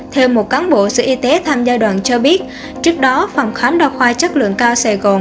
thêm một cán bộ sở y tế tham gia đoàn cho biết trước đó phòng khám đa khoa chất lượng cao sài gòn